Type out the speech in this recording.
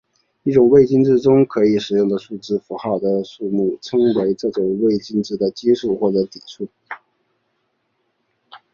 一种进位制中可以使用的数字符号的数目称为这种进位制的基数或底数。